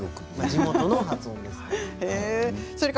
地元の発音です。